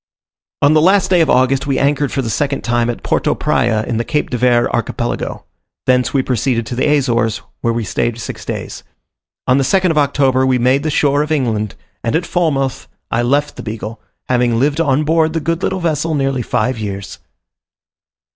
On the last day of August we anchored for the second time at Porto Praya in the Cape de Verd archipelago; thence we proceeded to the Azores, where we stayed six days. On the 2nd of October we made the shore, of England; and at Falmouth I left the Beagle, having lived on board the good little vessel nearly five years.